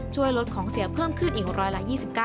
ช่วยลดของเสียเพิ่มขึ้นอีกร้อยละ๒๙